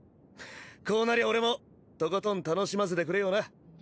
こうなりゃ俺もとことん楽しませてくれよな。